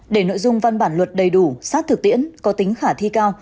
để nội dung văn bản luật đầy đủ sát thực tiễn có tính khả thi cao